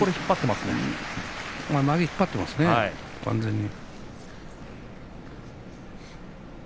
まげを引っ張っていますね、完全に。